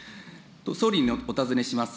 総理にお尋ねします。